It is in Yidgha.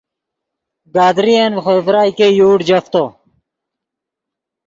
گدرین ڤے خوئے ڤرائے ګئے یوڑ جفتو